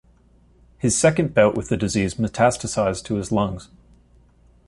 His second bout with the disease metastasized to his lungs.